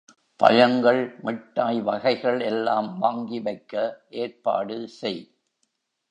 பழங்கள் மிட்டாய் வகைகள் எல்லாம் வாங்கி வைக்க ஏற்பாடு செய்.